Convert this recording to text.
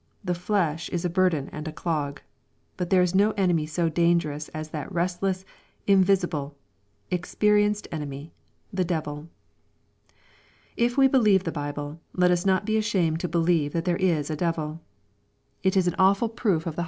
The flesh is a burden and a clog. But there is no enemy so dangerous as that restless, invisible, ex perienced enemy, the devil. If wo believe the Bible, let us not be ashamed to be lieve that there is a devil. It is an awful proof of the LUKE, CHAP. XXII.